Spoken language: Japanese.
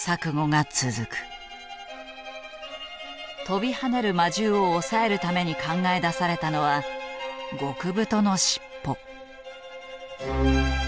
跳びはねる魔獣を抑えるために考え出されたのは極太の尻尾。